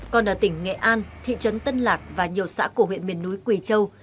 còn ở tỉnh nghệ an thị trấn tân lạc và nhiều xã của huyện miền núi quỳ châu